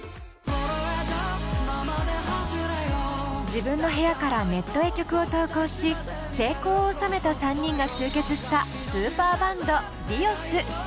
自分の部屋からネットへ曲を投稿し成功をおさめた３人が集結したスーパーバンドＤｉｏｓ。